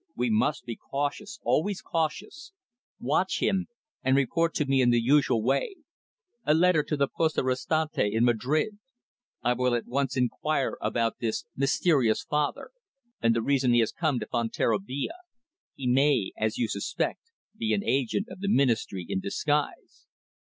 We must be cautious always cautious. Watch him, and report to me in the usual way a letter to the Poste Restante in Madrid. I will at once inquire all about this mysterious Father, and the reason he has come to Fonterrabia. He may, as you suspect, be an agent of the Ministry in disguise."